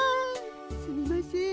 すみません